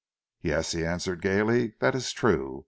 "Yes," he answered gaily. "That is true.